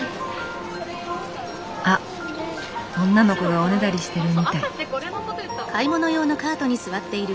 あっ女の子がおねだりしてるみたい。